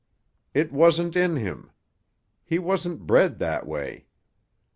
It wasn't in him. He wasn't bred that way.